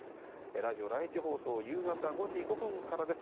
ラジオ第１放送夕方５時５分からです。